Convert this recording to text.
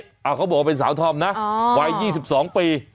คือเขาบอกว่ามันเป็นสาวทอมนะไวร์๒๒ปี